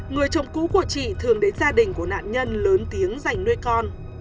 người chồng cũ của chị thường đến gia đình của nạn nhân lớn tiếng giành nuôi con